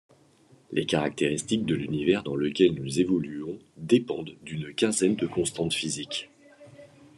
Les caractéristiques de l’univers dans lequel nous évoluons dépendent d’une quinzaine de constantes physiques.